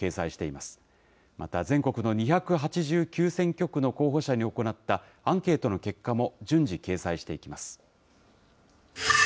また全国の２８９選挙区の候補者に行ったアンケートの結果も順次、掲載していきます。